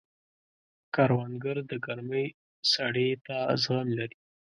کروندګر د ګرمۍ سړې ته زغم لري